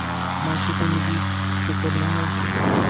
معیشت نے مزید سکڑنا ہے۔